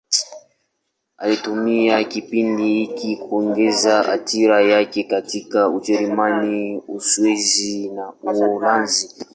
Alitumia kipindi hiki kuongeza athira yake katika Ujerumani, Uswisi na Uholanzi.